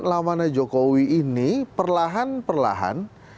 lawannya jokowi ini perlahan perlahan